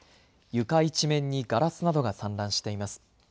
床一面にガラスなどが散乱しています。